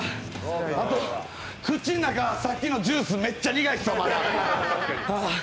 あと、口の中はさっきのジュース、めっちゃ苦いですわ、まだ。